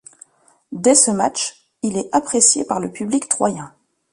Dès ce match, il est apprécié par le public troyen.